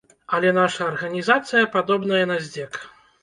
Але наша арганізацыя падобнае на здзек.